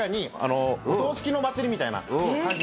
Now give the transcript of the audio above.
お葬式のお祭りみたいな感じの感じの。